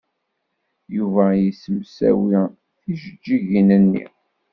Yuba yesemsawi tijejjigin-nni.